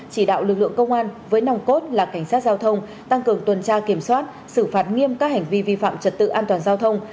chỉ đạo lực lượng công an với nòng cốt là cảnh sát giao thông tăng cường tuần tra kiểm soát xử phạt nghiêm các hành vi vi phạm trật tự an toàn giao thông